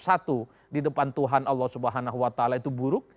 satu di depan tuhan allah subhanahu wa ta'ala itu buruk